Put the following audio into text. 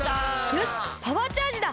よしパワーチャージだ！